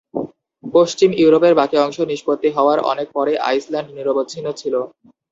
পশ্চিম ইউরোপের বাকী অংশ নিষ্পত্তি হওয়ার অনেক পরে আইসল্যান্ড নিরবচ্ছিন্ন ছিল।